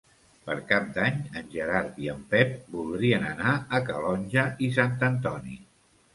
Per Cap d'Any en Gerard i en Pep voldrien anar a Calonge i Sant Antoni.